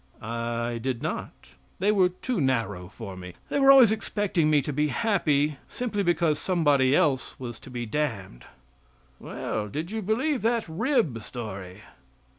"I did not. They were too narrow for me. They were always expecting to be happy simply because somebody else was to be damned." "Well, did you believe that rib story?"